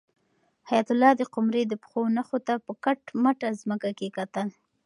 حیات الله د قمرۍ د پښو نښو ته په کټ مټه ځمکه کې کتل.